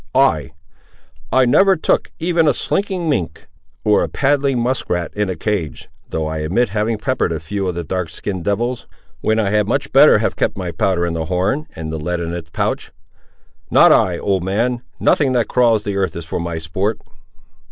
"I! I never took even a slinking mink or a paddling musk rat in a cage; though I admit having peppered a few of the dark skin'd devils, when I had much better have kept my powder in the horn and the lead in its pouch. Not I, old man; nothing that crawls the earth is for my sport."